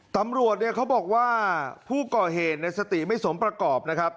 ตำรวจเนี่ยเขาบอกว่าผู้ก่อเหตุในสติไม่สมประกอบนะครับ